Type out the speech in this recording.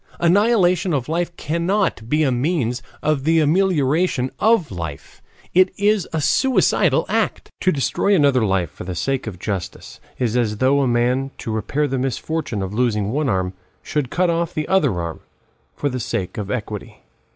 Annihilation of life cannot be a means of the amelioration of life; it is a suicidal act. To destroy another life for the sake of justice is as though a man, to repair the misfortune of losing one arm, should cut off the other arm for the sake of equity.